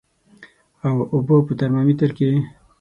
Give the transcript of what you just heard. او اوبو په ترمامیټر خپل